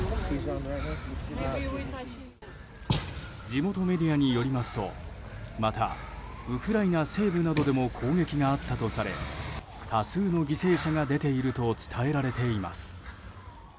地元メディアによりますとまたウクライナ西部などでも攻撃があったとされ多数の犠牲者が出ていると伝えられています。